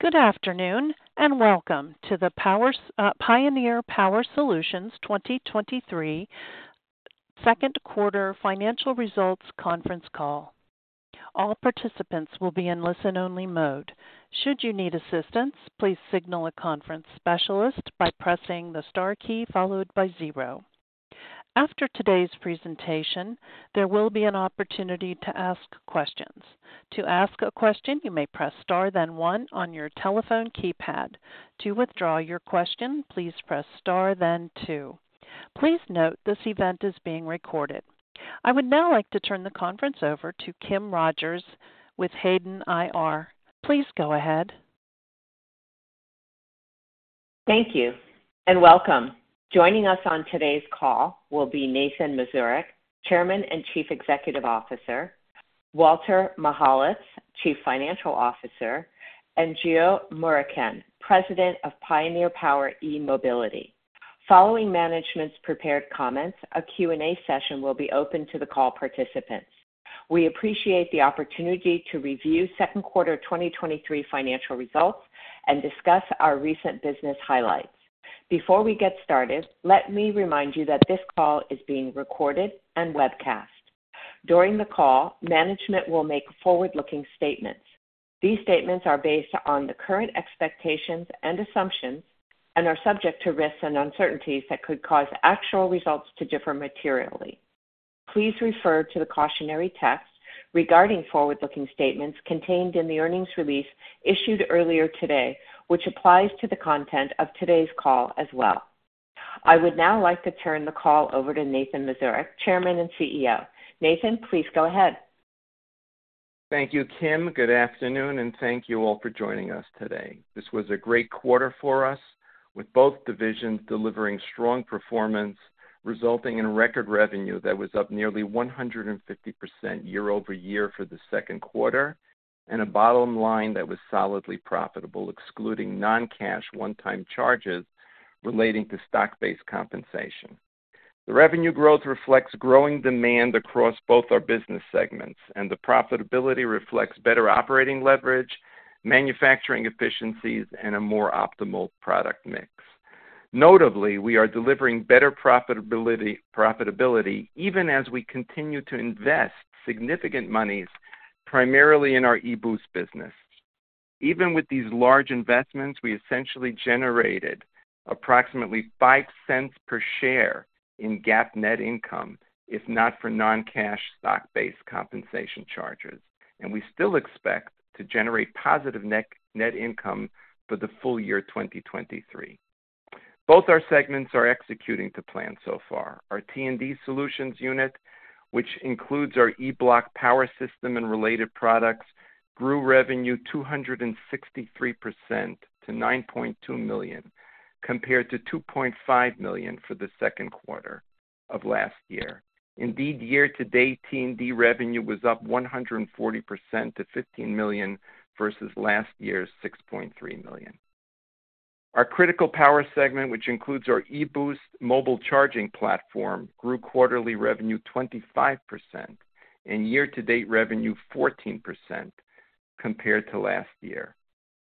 Good afternoon, and welcome to the Power Pioneer Power Solutions 2023 second quarter financial results conference call. All participants will be in listen-only mode. Should you need assistance, please signal a conference specialist by pressing Star followed by zero. After today's presentation, there will be an opportunity to ask questions. To ask a question, you may press Star then one on your telephone keypad. To withdraw your question, please press Star then two. Please note this event is being recorded. I would now like to turn the conference over to Kim Rogers with Hayden IR. Please go ahead. Thank you and welcome. Joining us on today's call will be Nathan Mazurek, Chairman and Chief Executive Officer, Walter Michalec, Chief Financial Officer, and Geo Murickan, President of Pioneer eMobility. Following management's prepared comments, a Q&A session will be open to the call participants. We appreciate the opportunity to review second quarter 2023 financial results and discuss our recent business highlights. Before we get started, let me remind you that this call is being recorded and webcast. During the call, management will make forward-looking statements. These statements are based on the current expectations and assumptions and are subject to risks and uncertainties that could cause actual results to differ materially. Please refer to the cautionary text regarding forward-looking statements contained in the earnings release issued earlier today, which applies to the content of today's call as well. I would now like to turn the call over to Nathan Mazurek, Chairman and CEO. Nathan, please go ahead. Thank you, Kim. Good afternoon, and thank you all for joining us today. This was a great quarter for us, with both divisions delivering strong performance, resulting in record revenue that was up nearly 150% year-over-year for the second quarter, and a bottom line that was solidly profitable, excluding non-cash one-time charges relating to stock-based compensation. The revenue growth reflects growing demand across both our business segments, and the profitability reflects better operating leverage, manufacturing efficiencies, and a more optimal product mix. Notably, we are delivering better profitability, profitability even as we continue to invest significant monies, primarily in our e-Boost business. Even with these large investments, we essentially generated approximately $0.05 per share in GAAP net income, if not for non-cash stock-based compensation charges, and we still expect to generate positive net, net income for the full year 2023. Both our segments are executing to plan so far. Our T&D Solutions unit, which includes our E-Bloc power system and related products, grew revenue 263% to $9.2 million, compared to $2.5 million for the second quarter of last year. Indeed, year-to-date, T&D revenue was up 140% to $15 million versus last year's $6.3 million. Our Critical Power segment, which includes our e-Boost mobile charging platform, grew quarterly revenue 25% and year-to-date revenue 14% compared to last year.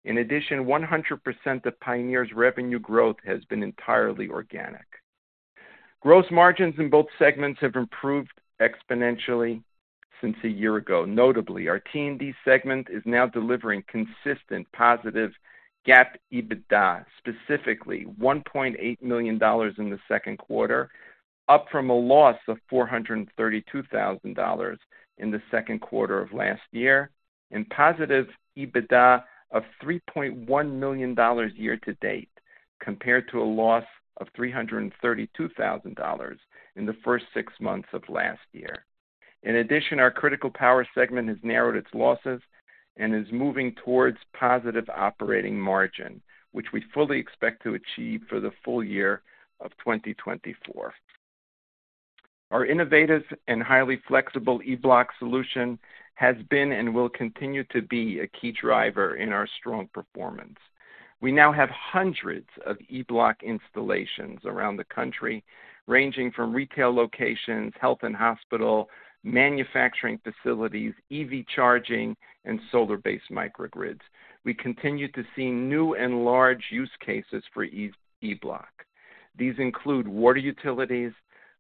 100% of Pioneer's revenue growth has been entirely organic. Gross margins in both segments have improved exponentially since a year ago. Notably, our T&D segment is now delivering consistent positive GAAP EBITDA, specifically $1.8 million in the second quarter, up from a loss of $432,000 in the second quarter of last year, and positive EBITDA of $3.1 million year to date, compared to a loss of $332,000 in the first six months of last year. Our Critical Power segment has narrowed its losses and is moving towards positive operating margin, which we fully expect to achieve for the full year of 2024. Our innovative and highly flexible E-Bloc solution has been and will continue to be a key driver in our strong performance. We now have hundreds of E-Bloc installations around the country, ranging from retail locations, health and hospital, manufacturing facilities, EV charging, and solar-based microgrids. We continue to see new and large use cases for E-Bloc. These include water utilities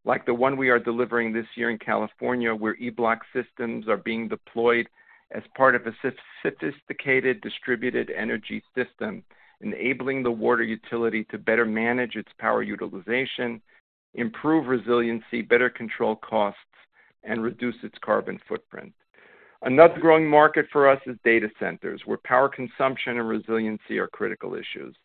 like the one we are delivering this year in California, where E-Bloc systems are being deployed as part of a sophisticated distributed energy system, enabling the water utility to better manage its power utilization, improve resiliency, better control costs, and reduce its carbon footprint. Another growing market for us is data centers, where power consumption and resiliency are critical issues.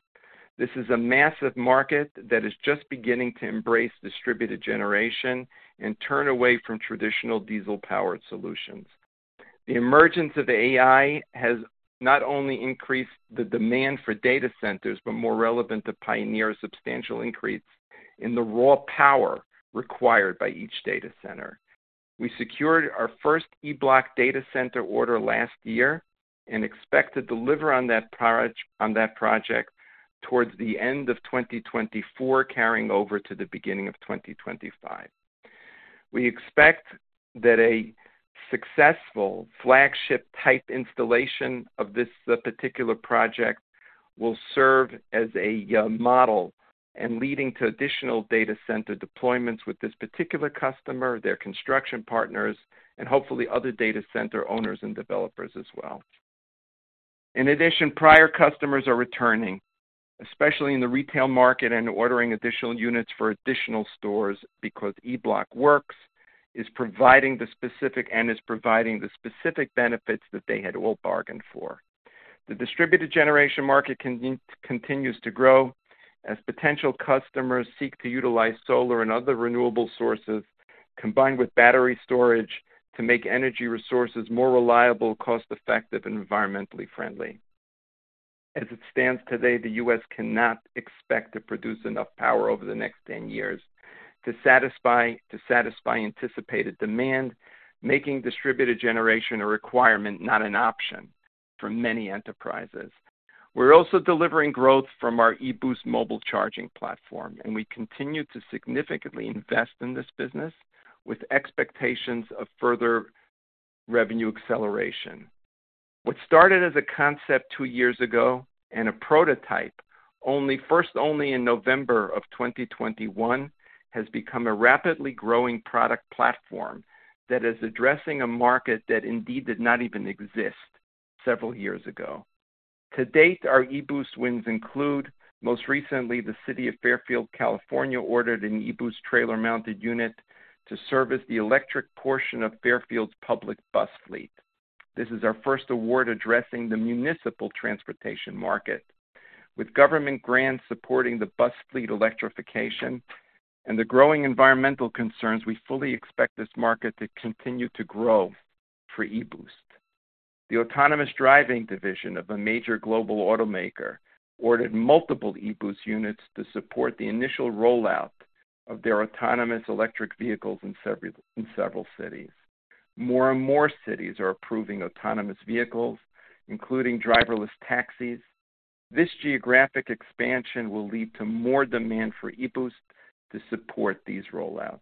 This is a massive market that is just beginning to embrace distributed generation and turn away from traditional diesel-powered solutions. The emergence of AI has not only increased the demand for data centers, but more relevant to Pioneer, a substantial increase in the raw power required by each data center. We secured our first E-Bloc data center order last year and expect to deliver on that project towards the end of 2024, carrying over to the beginning of 2025. We expect that a successful flagship-type installation of this particular project will serve as a model and leading to additional data center deployments with this particular customer, their construction partners, and hopefully other data center owners and developers as well. In addition, prior customers are returning, especially in the retail market, and ordering additional units for additional stores because E-Bloc works, and is providing the specific benefits that they had all bargained for. The distributed generation market continues to grow as potential customers seek to utilize solar and other renewable sources, combined with battery storage, to make energy resources more reliable, cost-effective, and environmentally friendly. As it stands today, the U.S. cannot expect to produce enough power over the next 10 years to satisfy, to satisfy anticipated demand, making distributed generation a requirement, not an option, for many enterprises. We're also delivering growth from our e-Boost mobile charging platform, and we continue to significantly invest in this business with expectations of further revenue acceleration. What started as a concept two years ago, and a prototype first, only in November of 2021, has become a rapidly growing product platform that is addressing a market that indeed did not even exist several years ago. To date, our e-Boost wins include, most recently, the city of Fairfield, California, ordered an e-Boost trailer-mounted unit to service the electric portion of Fairfield's public bus fleet. This is our first award addressing the municipal transportation market. With government grants supporting the bus fleet electrification and the growing environmental concerns, we fully expect this market to continue to grow for e-Boost. The autonomous driving division of a major global automaker ordered multiple e-Boost units to support the initial rollout of their autonomous electric vehicles in several cities. More and more cities are approving autonomous vehicles, including driverless taxis. This geographic expansion will lead to more demand for e-Boost to support these rollouts.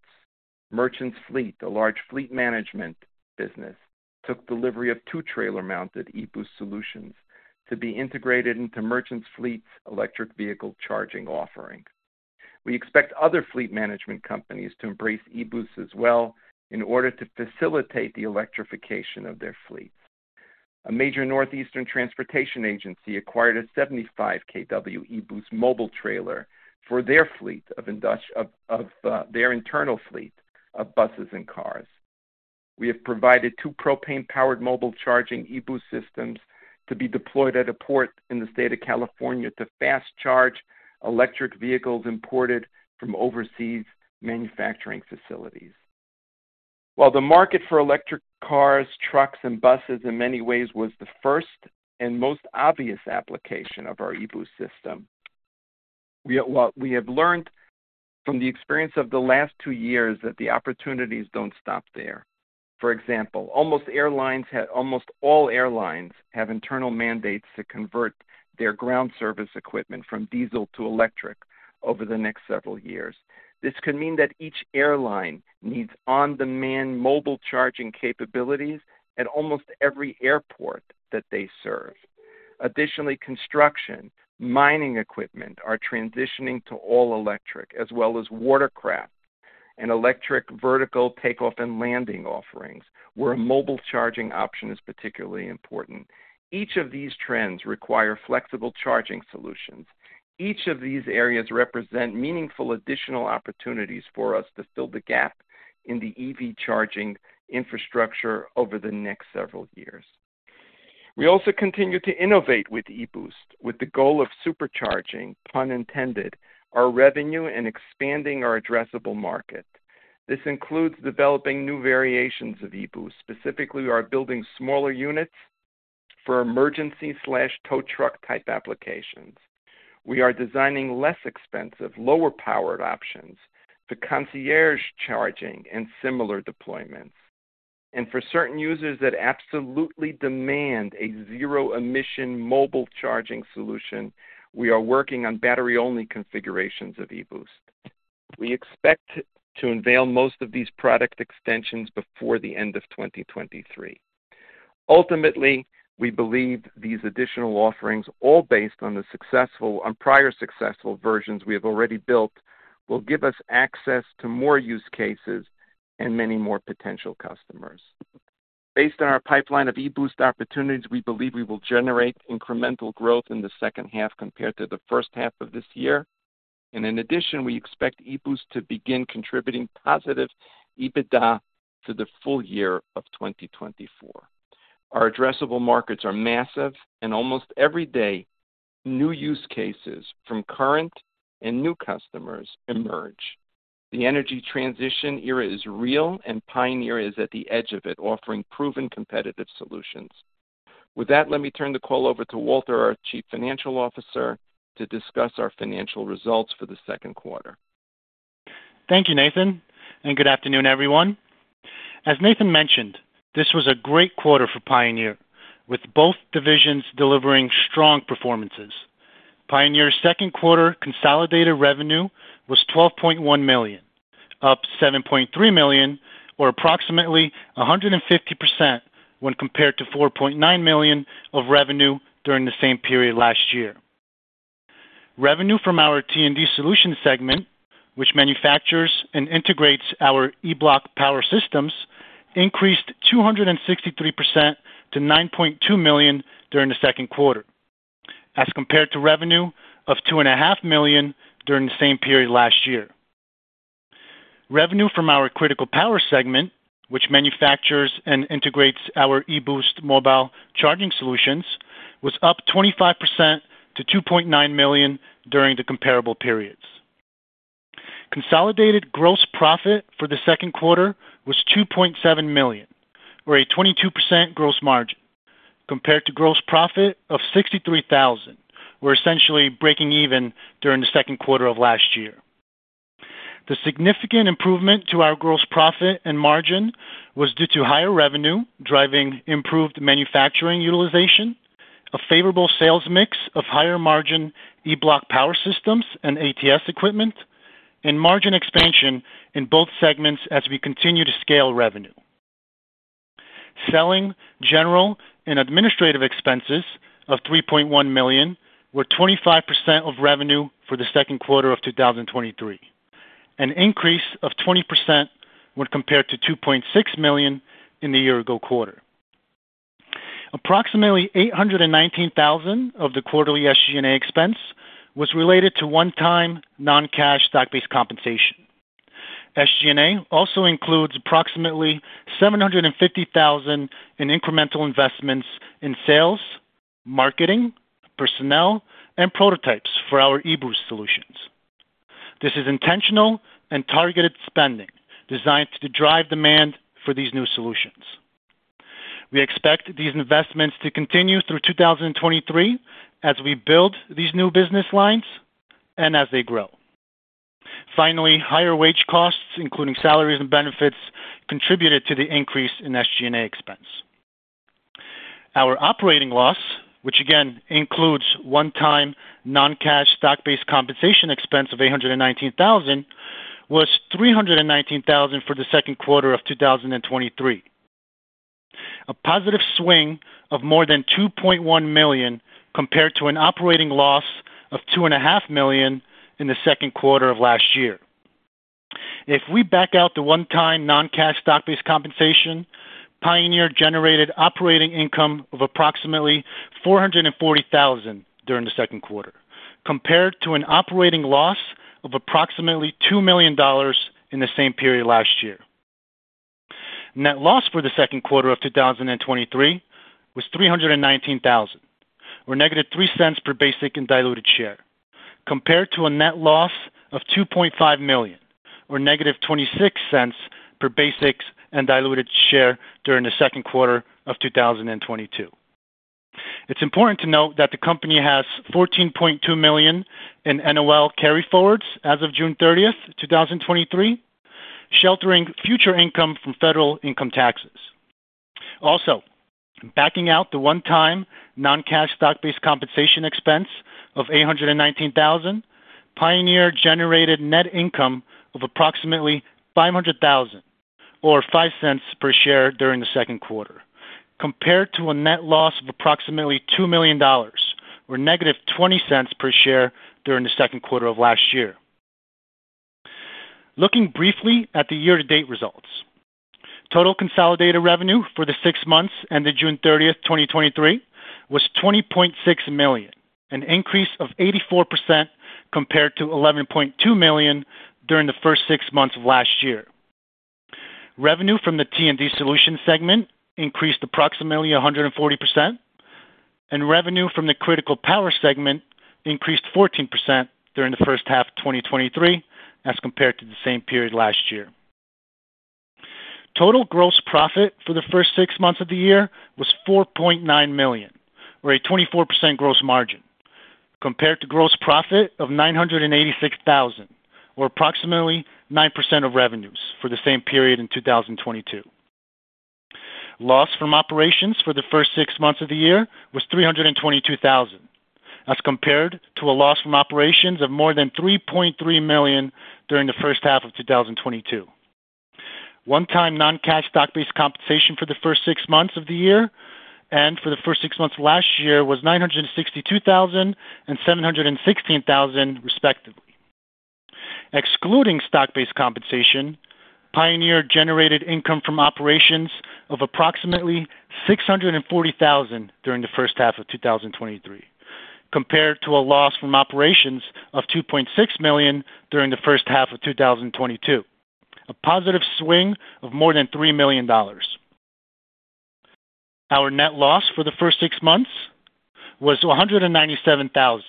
Merchants Fleet, a large fleet management business, took delivery of 2 trailer-mounted e-Boost solutions to be integrated into Merchants Fleet's electric vehicle charging offering. We expect other fleet management companies to embrace e-Boost as well, in order to facilitate the electrification of their fleets. A major Northeastern transportation agency acquired a 75 kW e-Boost mobile trailer for their internal fleet of buses and cars. We have provided two propane-powered mobile charging e-Boost systems to be deployed at a port in the state of California to fast charge electric vehicles imported from overseas manufacturing facilities. While the market for electric cars, trucks, and buses in many ways was the first and most obvious application of our e-Boost system, we... What we have learned from the experience of the last two years, that the opportunities don't stop there. For example, almost all airlines have internal mandates to convert their ground service equipment from diesel to electric over the next several years. This could mean that each airline needs on-demand mobile charging capabilities at almost every airport that they serve. Additionally, construction, mining equipment are transitioning to all electric, as well as watercraft and electric vertical takeoff and landing offerings, where a mobile charging option is particularly important. Each of these trends require flexible charging solutions. Each of these areas represent meaningful additional opportunities for us to fill the gap in the EV charging infrastructure over the next several years. We also continue to innovate with e-Boost, with the goal of supercharging, pun intended, our revenue and expanding our addressable market. This includes developing new variations of e-Boost. Specifically, we are building smaller units for emergency slash tow truck-type applications. We are designing less expensive, lower-powered options for concierge charging and similar deployments. For certain users that absolutely demand a zero-emission mobile charging solution, we are working on battery-only configurations of e-Boost. We expect to unveil most of these product extensions before the end of 2023. Ultimately, we believe these additional offerings, all based on the prior successful versions we have already built, will give us access to more use cases and many more potential customers. Based on our pipeline of e-Boost opportunities, we believe we will generate incremental growth in the second half compared to the first half of this year. In addition, we expect e-Boost to begin contributing positive EBITDA to the full year of 2024. Our addressable markets are massive, and almost every day, new use cases from current and new customers emerge. The energy transition era is real, and Pioneer is at the edge of it, offering proven competitive solutions. With that, let me turn the call over to Walter, our Chief Financial Officer, to discuss our financial results for the second quarter. Thank you, Nathan, and good afternoon, everyone....As Nathan mentioned, this was a great quarter for Pioneer, with both divisions delivering strong performances. Pioneer's second quarter consolidated revenue was $12.1 million, up $7.3 million, or approximately 150% when compared to $4.9 million of revenue during the same period last year. Revenue from our T&D Solutions segment, which manufactures and integrates our E-Bloc power systems, increased 263% to $9.2 million during the second quarter, as compared to revenue of $2.5 million during the same period last year. Revenue from our Critical Power segment, which manufactures and integrates our e-Boost mobile charging solutions, was up 25% to $2.9 million during the comparable periods. Consolidated gross profit for the second quarter was $2.7 million, or a 22% gross margin, compared to gross profit of $63,000, we're essentially breaking even during the second quarter of last year. The significant improvement to our gross profit and margin was due to higher revenue, driving improved manufacturing utilization, a favorable sales mix of higher-margin E-Bloc power systems and ATS equipment, and margin expansion in both segments as we continue to scale revenue. selling, general, and administrative expenses of $3.1 million were 25% of revenue for the second quarter of 2023, an increase of 20% when compared to $2.6 million in the year-ago quarter. Approximately $819,000 of the quarterly SG&A expense was related to one-time non-Cash stock-based compensation. SG&A also includes approximately $750,000 in incremental investments in sales, marketing, personnel, and prototypes for our e-Boost solutions. This is intentional and targeted spending designed to drive demand for these new solutions. We expect these investments to continue through 2023 as we build these new business lines and as they grow. Higher wage costs, including salaries and benefits, contributed to the increase in SG&A expense. Our operating loss, which again includes one-time non-cash stock-based compensation expense of $819,000, was $319,000 for the second quarter of 2023. A positive swing of more than $2.1 million compared to an operating loss of $2.5 million in the second quarter of last year. If we back out the one-time non-Cash stock-based compensation, Pioneer generated operating income of approximately $440,000 during the second quarter, compared to an operating loss of approximately $2 million in the same period last year. Net loss for the second quarter of 2023 was $319,000, or negative $0.03 per basic and diluted share, compared to a net loss of $2.5 million, or negative $0.26 per basic and diluted share during the second quarter of 2022. It's important to note that the company has $14.2 million in NOL carryforwards as of June 30, 2023, sheltering future income from federal income taxes. Backing out the one-time non-Cash stock-based compensation expense of $819,000, Pioneer generated net income of approximately $500,000, or $0.05 per share during the second quarter, compared to a net loss of approximately $2 million, or negative $0.20 per share during the second quarter of last year. Looking briefly at the year-to-date results, total consolidated revenue for the six months ended June 30, 2023, was $20.6 million, an increase of 84% compared to $11.2 million during the first six months of last year. Revenue from the T&D Solutions segment increased approximately 140%, and revenue from the Critical Power segment increased 14% during the first half of 2023 as compared to the same period last year. Total gross profit for the first six months of the year was $4.9 million, or a 24% gross margin, compared to gross profit of $986,000, or approximately 9% of revenues for the same period in 2022. Loss from operations for the first six months of the year was $322,000, as compared to a loss from operations of more than $3.3 million during the first half of 2022. One-time non-Cash stock-based compensation for the first six months of the year and for the first six months of last year was $962,000 and $716,000, respectively. Excluding stock-based compensation, Pioneer generated income from operations of approximately $640,000 during the first half of 2023, compared to a loss from operations of $2.6 million during the first half of 2022, a positive swing of more than $3 million. Our net loss for the first six months was $197,000,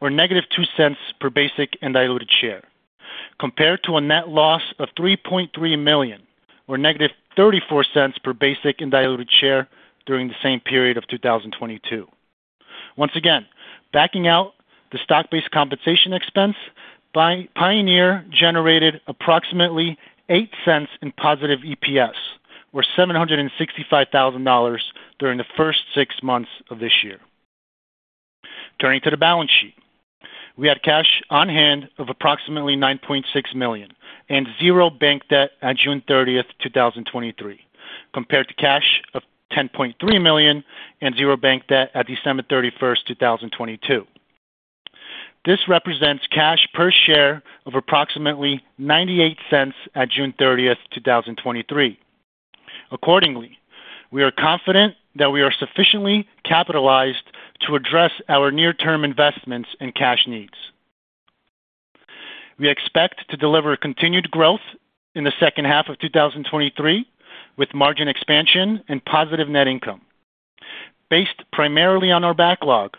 or -$0.02 per basic and diluted share, compared to a net loss of $3.3 million, or -$0.34 per basic and diluted share during the same period of 2022. Once again, backing out the stock-based compensation expense, Pioneer generated approximately $0.08 in positive EPS, or $765,000 during the first six months of this year. Turning to the balance sheet. We had cash on hand of approximately $9.6 million and zero bank debt at June 30, 2023, compared to cash of $10.3 million and zero bank debt at December 31, 2022. This represents cash per share of approximately $0.98 at June 30, 2023. Accordingly, we are confident that we are sufficiently capitalized to address our near-term investments and cash needs. We expect to deliver continued growth in the second half of 2023, with margin expansion and positive net income. Based primarily on our backlog,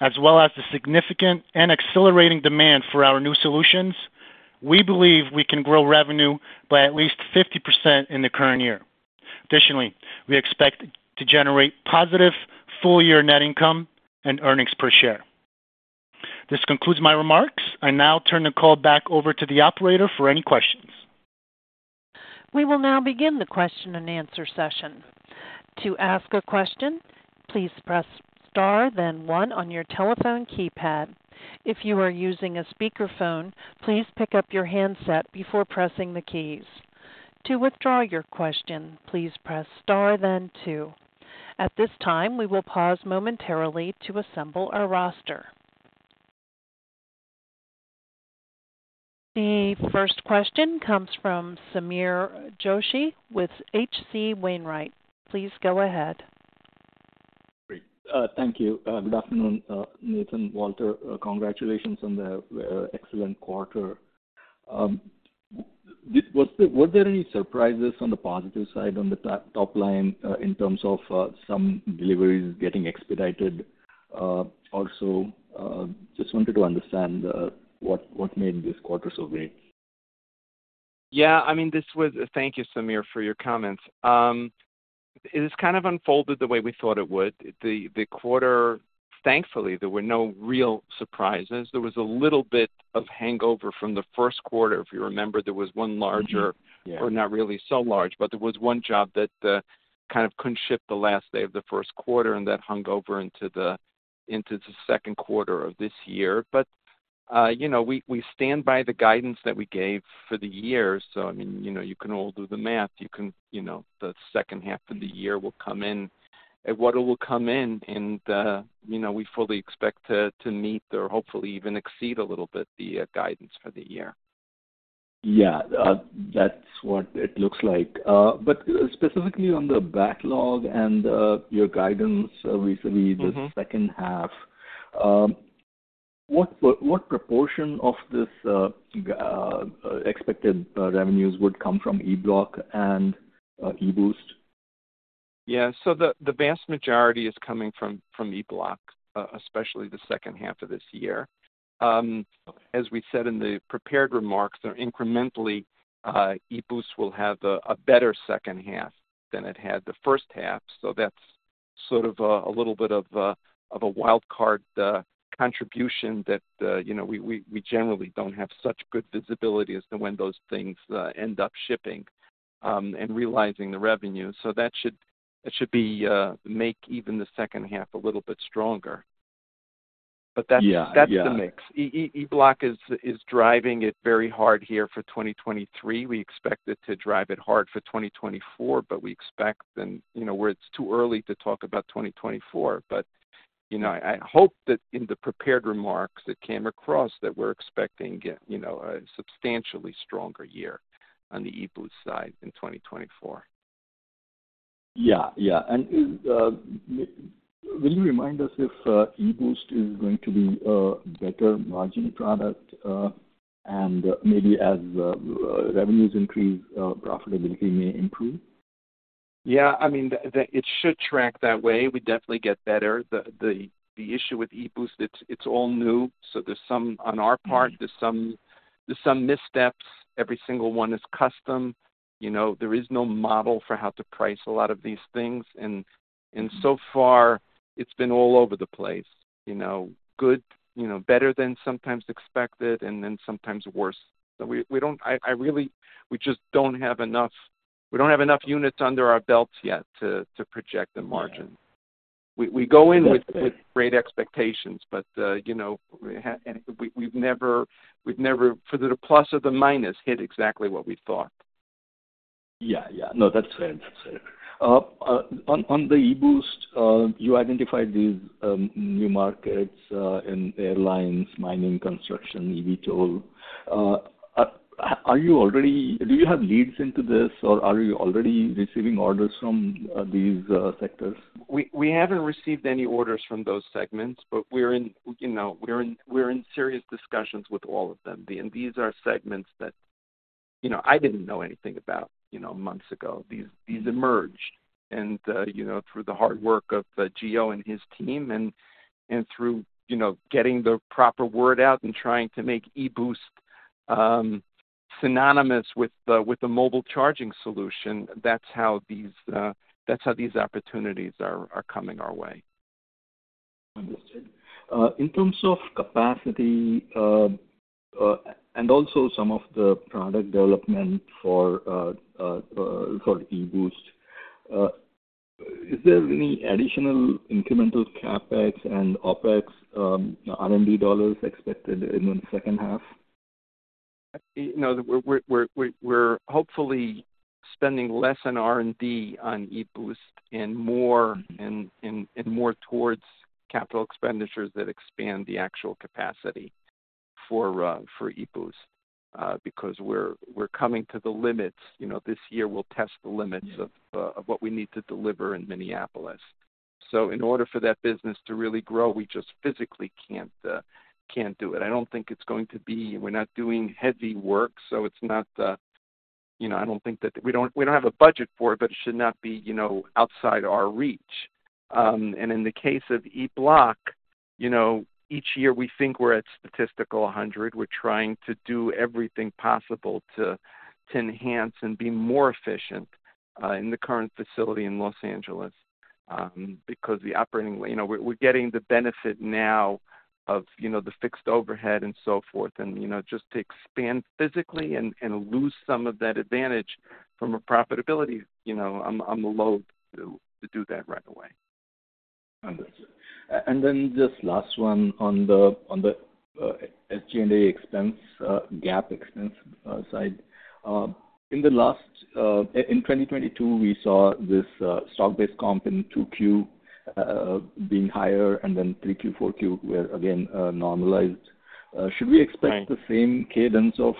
as well as the significant and accelerating demand for our new solutions, we believe we can grow revenue by at least 50% in the current year. Additionally, we expect to generate positive full-year net income and earnings per share. This concludes my remarks. I now turn the call back over to the operator for any questions. We will now begin the question and answer session. To ask a question, please press Star, then one on your telephone keypad. If you are using a speakerphone, please pick up your handset before pressing the keys. To withdraw your question, please press Star than two. At this time, we will pause momentarily to assemble our roster. The first question comes from Samir Joshi with HC Wainwright. Please go ahead. Great. Thank you. Good afternoon, Nathan, Walter. Congratulations on the excellent quarter. Was there, were there any surprises on the positive side, on the top, top line, in terms of some deliveries getting expedited? Also, just wanted to understand what, what made this quarter so great? Yeah, I mean, this was. Thank you, Samir, for your comments. It is kind of unfolded the way we thought it would. The quarter, thankfully, there were no real surprises. There was a little bit of hangover from the first quarter. If you remember, there was one larger-. Mm-hmm. Yeah. -or not really so large, but there was one job that kind of couldn't ship the last day of the first quarter, and that hung over into the, into the second quarter of this year. You know, we, we stand by the guidance that we gave for the year. I mean, you know, you can all do the math. You can, you know, the second half of the year will come in, and what it will come in and, you know, we fully expect to, to meet or hopefully even exceed a little bit, the guidance for the year. Yeah. That's what it looks like. Specifically on the backlog and your guidance recently. Mm-hmm. -the second half, what, what proportion of this expected revenues would come from E-Bloc and e-Boost? Yeah. The, the vast majority is coming from, from E-Bloc, especially the second half of this year. As we said in the prepared remarks, they're incrementally, e-Boost will have a better second half than it had the first half. That's sort of, a little bit of, of a wild card, contribution that, you know, we, we, we generally don't have such good visibility as to when those things, end up shipping, and realizing the revenue. That should, that should be, make even the second half a little bit stronger. But that's... Yeah. Yeah. that's the mix. E-Bloc is, is driving it very hard here for 2023. We expect it to drive it hard for 2024, we expect and, you know, where it's too early to talk about 2024. You know, I, I hope that in the prepared remarks, it came across that we're expecting, you know, a substantially stronger year on the e-Boost side in 2024. Yeah. Yeah. Will you remind us if e-Boost is going to be a better margin product, and maybe as revenues increase, profitability may improve? Yeah, I mean, the it should track that way. We definitely get better. The issue with e-Boost, it's all new, so there's some on our part. Mm-hmm. there's some, there's some missteps. Every single one is custom. You know, there is no model for how to price a lot of these things, and- Mm-hmm. So far, it's been all over the place. You know, good, you know, better than sometimes expected, and then sometimes worse. We, we don't... I really, we don't have enough units under our belts yet to, to project the margin. Yeah. We go in with- Okay with great expectations, you know, we, we've never, we've never, for the plus or minus, hit exactly what we thought. Yeah, yeah. No, that's fair. That's fair. on, on the e-Boost, you identified these new markets in airlines, mining, construction, eVTOL. are, are you already-- do you have leads into this, or are you already receiving orders from these sectors? We, we haven't received any orders from those segments, but we're in, you know, we're in, we're in serious discussions with all of them. These are segments that, you know, I didn't know anything about, you know, months ago. These, these emerged and, you know, through the hard work of Geo and his team, and, and through, you know, getting the proper word out and trying to make e-Boost synonymous with the, with the mobile charging solution, that's how these opportunities are, are coming our way. Understood. Uh, in terms of capacity, uh, uh, and also some of the product development for, uh, uh, uh, for e-Boost. Uh, is there any additional incremental CapEx and OpEx, um, R&D dollars expected in the second half? You know, we're hopefully spending less on R&D on e-Boost and more towards capital expenditures that expand the actual capacity for e-Boost. We're coming to the limits. You know, this year we'll test the limits. Yeah... of what we need to deliver in Minneapolis. In order for that business to really grow, we just physically can't can't do it. we're not doing heavy work, so it's not, you know. We don't, we don't have a budget for it, but it should not be, you know, outside our reach. In the case of E-Bloc, you know, each year we think we're at statistical 100. We're trying to do everything possible to, to enhance and be more efficient in the current facility in Los Angeles, because we're getting the benefit now of, you know, the fixed overhead and so forth. you know, just to expand physically and, and lose some of that advantage from a profitability, you know, I'm, I'm loathe to, to do that right away. Understood. Then just last one on the, on the SG&A expense, GAAP expense side. In 2022, we saw this stock-based comp in 2Q being higher, and then 3Q, 4Q were again normalized. Should we expect- Right... the same cadence of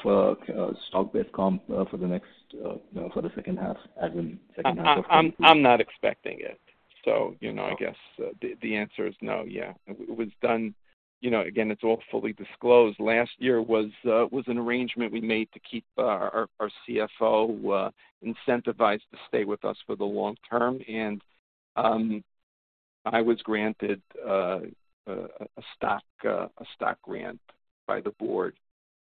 stock-based comp for the next, you know, for the second half. I'm not expecting it. You know. Okay... I guess the, the answer is no. Yeah. It was done... You know, again, it's all fully disclosed. Last year was an arrangement we made to keep our CFO incentivized to stay with us for the long term. I was granted a stock a stock grant by the board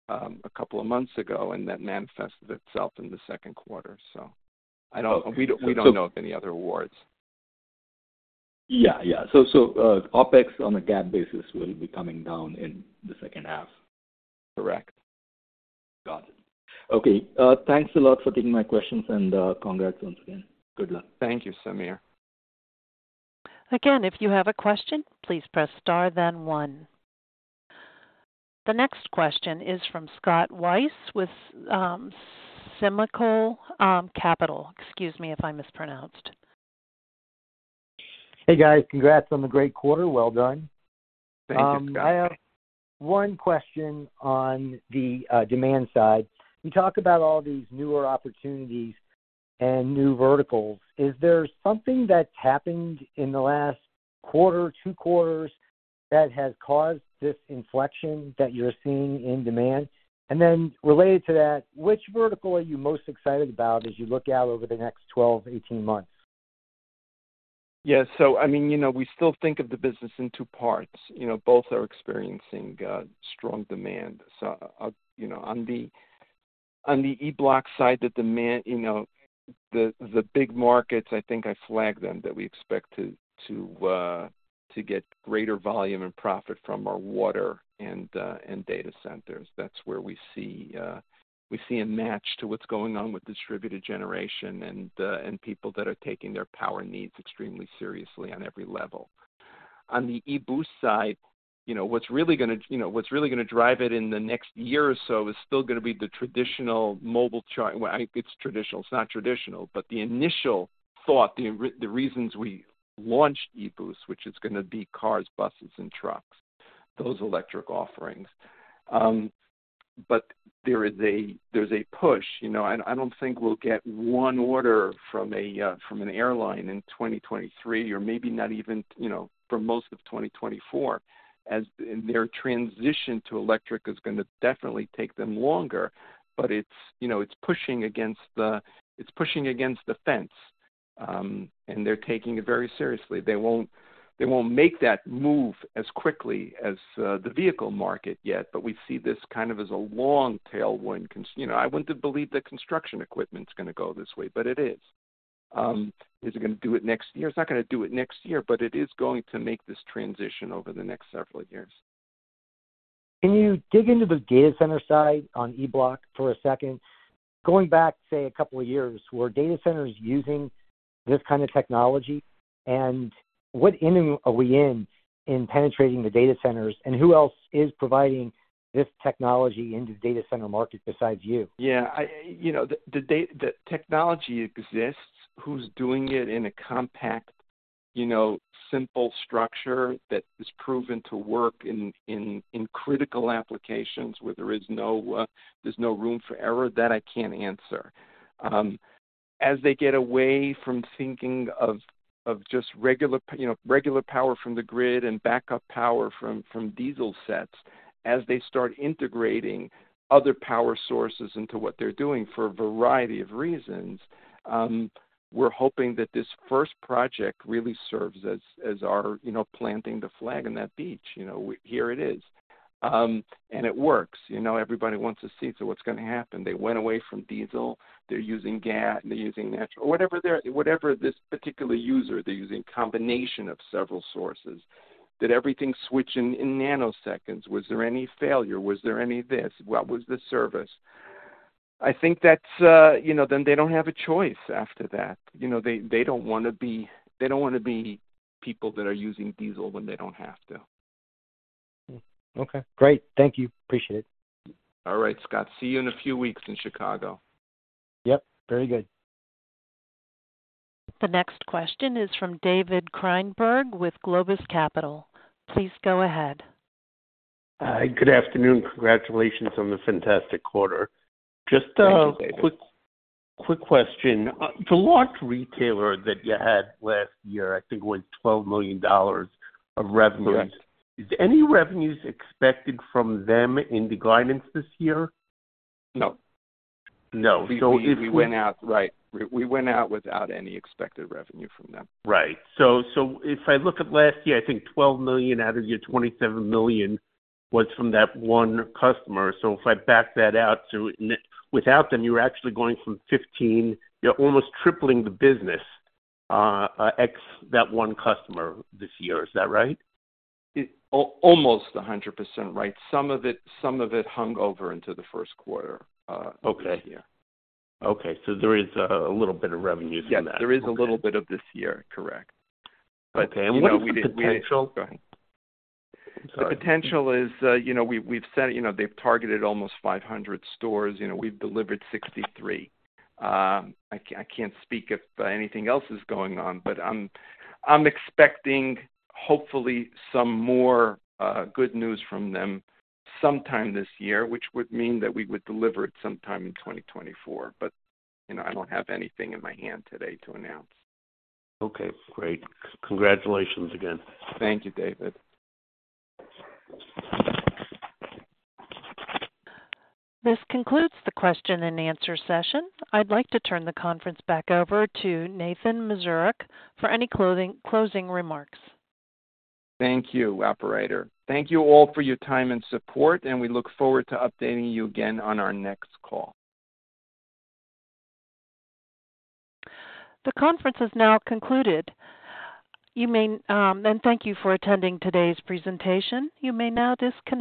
a couple of months ago, and that manifested itself in the second quarter. I don't- Okay. We don't, we don't know of any other awards. Yeah. Yeah. so, OpEx on a GAAP basis will be coming down in the second half? Correct. Got it. Okay. Thanks a lot for taking my questions, and congrats once again. Good luck. Thank you, Samir. Again, if you have a question, please press Star, then One. The next question is from Scott Weiss, with, Semco Capital. Excuse me if I mispronounced. Hey, guys. Congrats on the great quarter. Well done. Thank you, Scott. I have one question on the demand side. You talked about all these newer opportunities and new verticals. Is there something that's happened in the last quarter, two quarters, that has caused this inflection that you're seeing in demand? Related to that, which vertical are you most excited about as you look out over the next 12, 18 months? Yeah. I mean, you know, we still think of the business in two parts. You know, both are experiencing strong demand. You know, on the, on the E-Bloc side, the demand, you know, the, the big markets, I think I flagged them, that we expect to, to get greater volume and profit from are water and data centers. That's where we see we see a match to what's going on with distributed generation and people that are taking their power needs extremely seriously on every level. On the e-Boost side, you know, what's really gonna, you know, what's really gonna drive it in the next year or so is still gonna be the traditional mobile char... Well, I think it's traditional. It's not traditional, but the initial thought, the re- the reasons we launched e-Boost, which is gonna be cars, buses, and trucks, those electric offerings. There is a-- there's a push, you know. I, I don't think we'll get one order from a from an airline in 2023, or maybe not even, you know, for most of 2024, as their transition to electric is gonna definitely take them longer. It's, you know, it's pushing against the... It's pushing against the fence, and they're taking it very seriously. They won't, they won't make that move as quickly as the vehicle market yet, but we see this kind of as a long tailwind. You know, I wouldn't have believed that construction equipment's gonna go this way, but it is. Is it gonna do it next year? It's not gonna do it next year, but it is going to make this transition over the next several years. Can you dig into the data center side on E-Bloc for a second? Going back, say, a couple of years, were data centers using this kind of technology, and what inning are we in, in penetrating the data centers, and who else is providing this technology in the data center market besides you? Yeah, I... You know, the technology exists. Who's doing it in a compact, you know, simple structure that is proven to work in, in, in critical applications where there is no, there's no room for error? That I can't answer. As they get away from thinking of, of just regular, you know, regular power from the grid and backup power from, from diesel sets, as they start integrating other power sources into what they're doing for a variety of reasons, we're hoping that this first project really serves as, as our, you know, planting the flag on that beach. You know, here it is.... and it works. You know, everybody wants to see, so what's going to happen? They went away from diesel. They're using gas, they're using whatever their, whatever this particular user, they're using combination of several sources. Did everything switch in, in nanoseconds? Was there any failure? Was there any this? What was the service? I think that's, you know, then they don't have a choice after that. You know, they, they don't wanna be, they don't wanna be people that are using diesel when they don't have to. Okay, great. Thank you. Appreciate it. All right, Scott. See you in a few weeks in Chicago. Yep, very good. The next question is from David Kreinberg with Globus Capital. Please go ahead. Hi, good afternoon. Congratulations on the fantastic quarter. Thank you, David. Just a quick, quick question. The large retailer that you had last year, I think, was $12 million of revenue. Correct. Is any revenues expected from them in the guidance this year? No. No. We went out, right. We, we went out without any expected revenue from them. Right. If I look at last year, I think $12 million out of your $27 million was from that one customer. If I back that out, net -- without them, you're actually going from 15... You're almost tripling the business, ex that one customer this year. Is that right? Almost 100% right. Some of it, some of it hung over into the first quarter. Okay. This year. Okay, there is a little bit of revenues from that? Yes, there is a little bit of this year, correct. Okay, what is the potential? Go ahead. Sorry. The potential is, you know, we've, we've said, you know, they've targeted almost 500 stores. You know, we've delivered 63. I can't speak if anything else is going on, but I'm, I'm expecting hopefully some more good news from them sometime this year, which would mean that we would deliver it sometime in 2024. But, you know, I don't have anything in my hand today to announce. Okay, great. Congratulations again. Thank you, David. This concludes the question and answer session. I'd like to turn the conference back over to Nathan Mazurek for any closing, closing remarks. Thank you, operator. Thank you all for your time and support. We look forward to updating you again on our next call. The conference is now concluded. You may,... thank you for attending today's presentation. You may now disconnect.